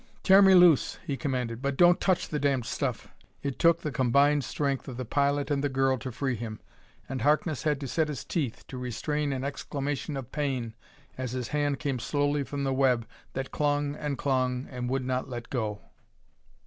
"Tear me loose!" he commanded, "but don't touch the damned stuff!" It took the combined strength of the pilot and the girl to free him, and Harkness had to set his teeth to restrain an exclamation of pain as his hand came slowly from the web that clung and clung and would not let go.